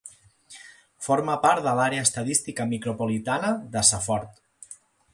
Forma part de l'àrea estadística micropolitana de Safford.